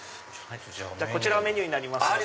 こちらメニューになりますので。